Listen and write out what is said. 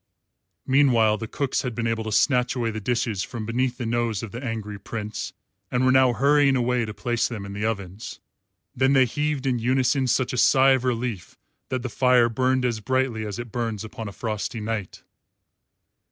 Meanwhile the cooks had been able to snatch away the dishes from beneath the nose of the angry Prince and were now hurrying away to place them in the ovens. Then they heaved in unison such a sigh of relief that the fire burned as brightly as it burns upon a frosty night.